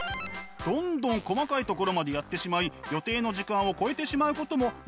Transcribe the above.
どんどん細かいところまでやってしまい予定の時間を超えてしまうこともよくあるんだとか。